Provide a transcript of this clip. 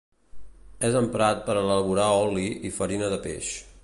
És emprat per a elaborar oli i farina de peix.